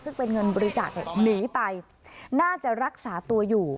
ซึ่งเป็นเงินบริจาคหนีไปน่าจะรักษาตัวอยู่